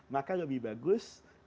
maka lebih bagus